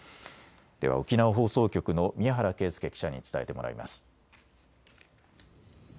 では沖縄放送局の宮原啓輔記者に伝えてもらいます。